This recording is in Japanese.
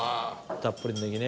たっぷりのネギね。